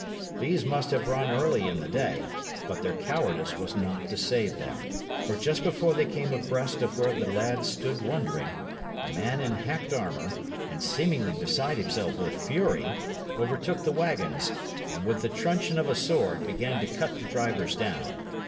These must have run early in the day; but their cowardice was not to save them. For just before they came abreast of where the lads stood wondering, a man in hacked armour, and seemingly beside himself with fury, overtook the waggons, and with the truncheon of a sword, began to cut the drivers down.